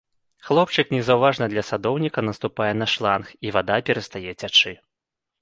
Хлопчык незаўважна для садоўніка наступае на шланг, і вада перастае цячы.